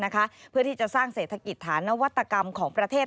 เพื่อที่จะสร้างเศรษฐกิจฐานนวัตกรรมของประเทศ